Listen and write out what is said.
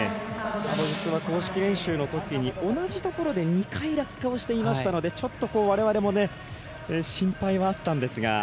公式練習のときに同じところで２回落下をしていましたのでちょっと、われわれも心配はあったんですが。